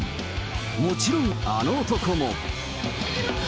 もちろん、あの男も。